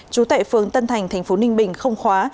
chú tệ phương tân thành thành phố ninh bình không khóa